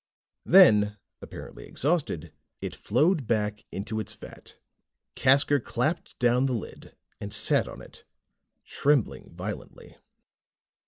Then, apparently exhausted, it flowed back into its vat. Casker clapped down the lid and sat on it, trembling violently.